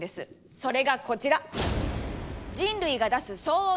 それがこちら！